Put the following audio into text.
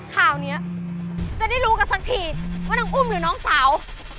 คราวนี้จะได้รู้กันสักทีว่าน้องอุ้มหรือน้องสาว